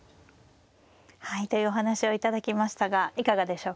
はいというお話を頂きましたがいかがでしょうか。